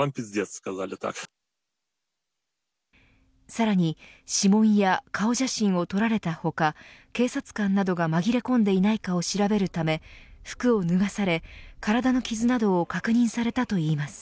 さらに指紋や顔写真を撮られた他警察官などが紛れ込んでいないかを調べるため服を脱がされ、体の傷などを確認されたといいます。